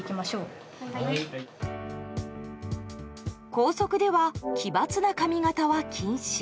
校則では奇抜な髪形は禁止。